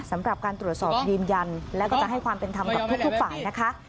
สำหรับการตรวจสอบยืนยันแล้วก็จะให้ความเป็นธรรมกับทุกฝ่ายนะคะ